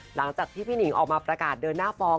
หลังจากที่พี่หนิงออกมาประกาศเดินหน้าฟ้อง